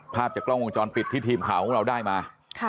ภาพจากกล้องวงจรปิดที่ทีมข่าวของเราได้มา